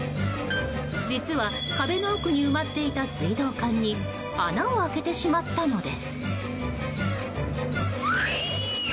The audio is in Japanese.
実は壁の奥に埋まっていた水道管に穴を開けてしまったのです。